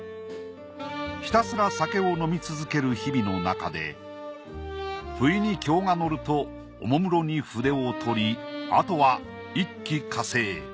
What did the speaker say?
ひたすら酒を飲み続ける日々のなかでふいに興が乗るとおもむろに筆をとりあとは一気呵成。